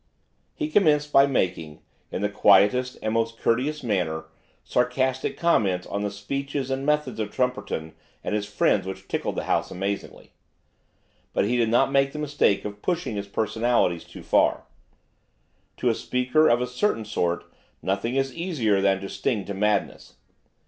He commenced by making, in the quietest and most courteous manner, sarcastic comments on the speeches and methods of Trumperton and his friends which tickled the House amazingly. But he did not make the mistake of pushing his personalities too far. To a speaker of a certain sort nothing is easier than to sting to madness.